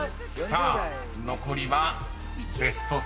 ［さあ残りはベスト３］